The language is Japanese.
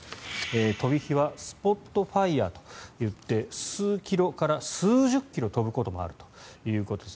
飛び火はスポットファイアと言って数キロから数十キロ飛ぶこともあるということです。